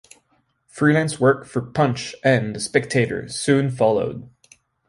Freelance work for "Punch" and "The Spectator" soon followed.